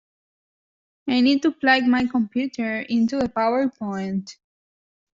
I need to plug my computer into a power point